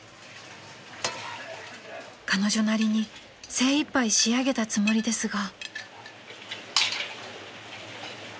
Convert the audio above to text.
［彼女なりに精いっぱい仕上げたつもりですが］